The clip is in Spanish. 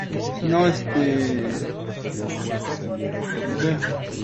Se destacó en Querida Coco.